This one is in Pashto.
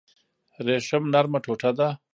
ریشم نرمه ټوټه ده